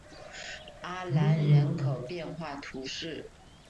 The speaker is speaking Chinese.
阿兰人口变化图示